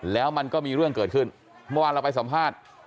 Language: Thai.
แล้วมันก็มีเรื่องเกิดขึ้นเมื่อวานเราไปสัมภาษณ์